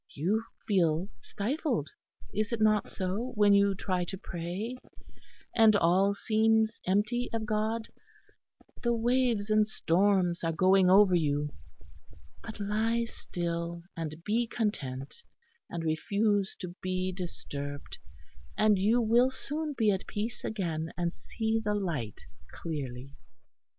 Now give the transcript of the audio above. You feel stifled, is it not so, when you try to pray? and all seems empty of God; the waves and storms are going over you. But lie still and be content; and refuse to be disturbed; and you will soon be at peace again and see the light clearly."